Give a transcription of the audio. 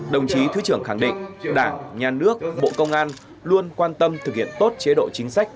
đồng chí thứ trưởng khẳng định đảng nhà nước bộ công an luôn quan tâm thực hiện tốt chế độ chính sách